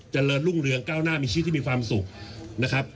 เจริญรุ่งเรืองก้าวหน้ามีชีวิตที่มีความสุขนะครับ